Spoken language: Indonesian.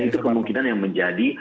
itu kemungkinan yang menjadi